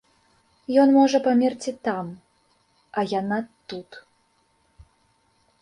Ён можа памерці там, а яна тут.